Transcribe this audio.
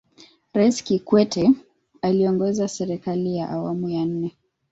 rais kikwete aliongoza serikali ya awamu ya nne